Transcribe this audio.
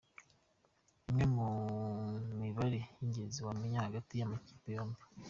Imwe mu mibare y’ingenzi wamenya hagati y’amakipe yombi